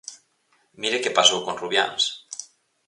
Mire que pasou con Rubiáns.